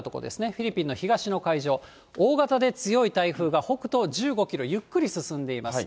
フィリピンの東の海上、大型で強い台風が北東１５キロ、ゆっくり進んでいます。